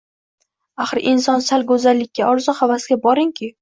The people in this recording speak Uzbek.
Axir inson sal go`zallikka, orzu-havasga, boringki